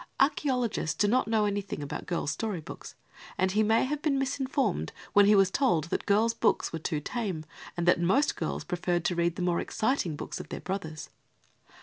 Archaeologists do not know anything about girls' story books, and he may have been misinformed when he was told that girls' books were too tame and that most girls preferred to read the more exciting books of their brothers.